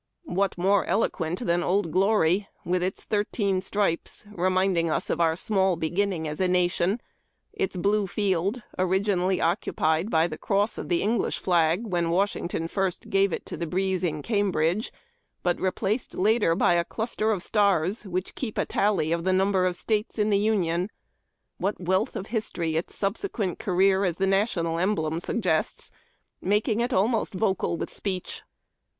What more eloquent than '' Old Glory," with its thirteen stripes, reminding us of our small be ginning as a nation, its blue field, originally occupied by the cross of the English flag when Washington first gave it to the breeze in Cambridge, but replaced later by a cluster of stars, which keep a tally of the number of States in the Union ! What wealth of history its subse quent career as the national emblem suggests, making it almost vocal with speech